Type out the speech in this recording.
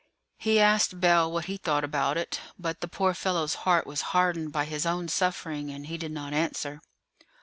He asked Bell what he thought about it, but the poor fellow's heart was hardened by his own suffering, and he did not answer.